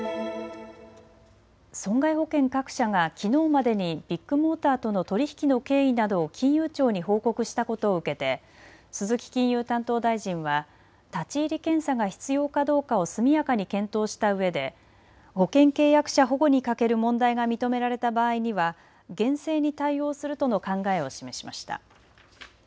損害保険各社がきのうまでにビッグモーターとの取り引きの経緯などを金融庁に報告したことを受けて、鈴木金融担当大臣は立ち入り検査が必要かどうかを速やかに検討したうえで保険契約者保護に欠ける問題が認められた場合には厳正に対応するとの考えを示しました。